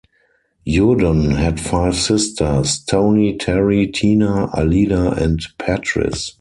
Yourdon had five sisters; Toni, Teri, Tina, Aleda, and Patrice.